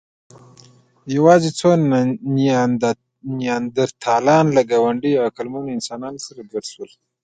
یواځې څو نیاندرتالان له ګاونډيو عقلمنو انسانانو سره ګډ شول.